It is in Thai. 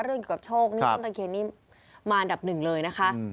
เรื่องเกี่ยวกับโชคต้นตะเคียนนิมมาอันดับหนึ่งเลยนะคะ